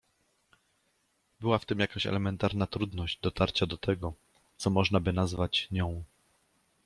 Była w tym jakaś elementarna trudność dotarcia do tego, co można by nazwać „nią”.